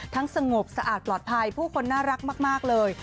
สงบสะอาดปลอดภัยผู้คนน่ารักมากเลย